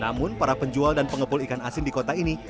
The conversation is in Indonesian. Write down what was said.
namun para penjual dan pengepul ikan asin di kota ini